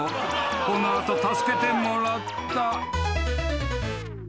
この後助けてもらった］